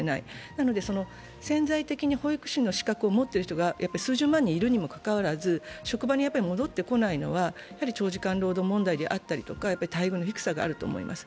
なので、潜在的に保育士の資格を持っている人が数十万人いるにもかかわらず、職場に戻ってこないのは長時間労働問題であったり待遇の低さがあると思います。